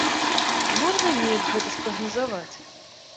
Можна неяк гэта спрагназаваць?